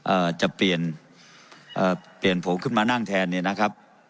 เอ่อจะเปลี่ยนเอ่อเปลี่ยนผมขึ้นมานั่งแทนเนี่ยนะครับ